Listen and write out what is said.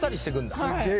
すげえ